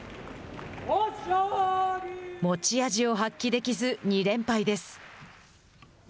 持ち味を発揮できず２連敗です。